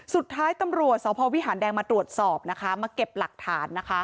สุดท้ายตำรวจทรวพบิหารแดงมาตรวจสอบมาเก็บหลักฐาน